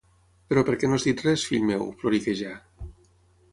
Però per què no has dit res, fill meu? –ploriquejà–.